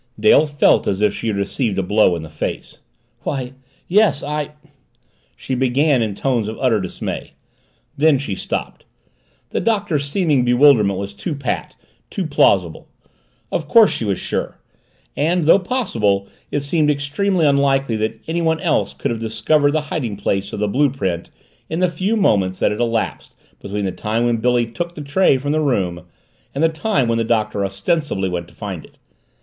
Dale felt as if she had received a blow in the face. "Why, yes I " she began in tones of utter dismay. Then she stopped. The Doctor's seeming bewilderment was too pat too plausible. Of course she was sure and, though possible, it seemed extremely unlikely that anyone else could have discovered the hiding place of the blue print in the few moments that had elapsed between the time when Billy took the tray from the room and the time when the Doctor ostensibly went to find it.